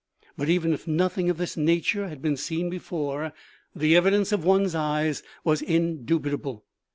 But even if nothing of this nature had been seen before, the evidence of one's eyes was indubitable.